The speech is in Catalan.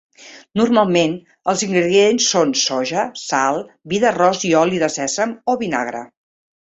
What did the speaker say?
Normalment els ingredients són soja, sal, vi d'arròs i oli de sèsam o vinagre.